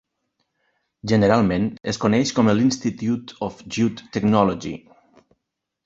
Generalment es coneix com el Institute of Jute Technology.